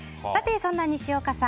そんな西岡さん